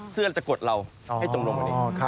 เสื้อจะกดเราให้จงลง